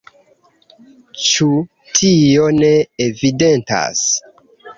Ĉu tio ne evidentas?